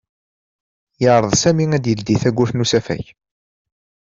Yeɛreḍ Sami ad d-yeldi tawwurt n usafag.